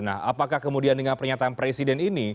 nah apakah kemudian dengan pernyataan presiden ini